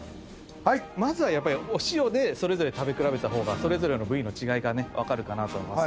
まずはお塩で食べ比べた方がそれぞれの部位の違いが分かるかなと思います。